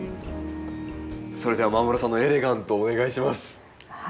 それでは間室さんのエレガントお願いします。